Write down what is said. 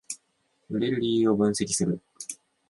売れる理由を分析する